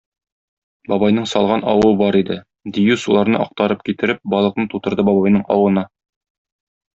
Бабайның салган авы бар иде; дию, суларны актарып китереп, балыкны тутырды бабайның авына.